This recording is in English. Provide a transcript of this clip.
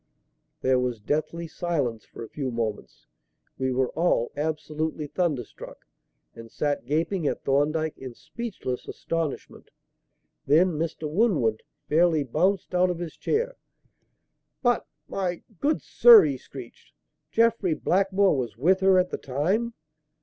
There was deathly silence for a few moments. We were all absolutely thunderstruck, and sat gaping at Thorndyke in speechless astonishment. Then Mr. Winwood fairly bounced out of his chair. "But my good sir!" he screeched. "Jeffrey Blackmore was with her at the time!"